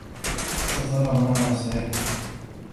سترى ما سيحدث.